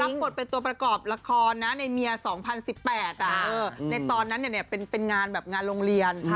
รับบทเป็นตัวประกอบละครในเมียว์๒๐๑๘ในตอนนั้นเนี่ยเป็นงานโรงเรียน